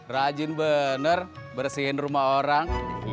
rajin benar bersihin rumah orang